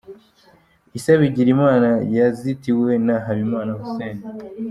Issa Bigirimana yazitiwe na Habimana Hussein.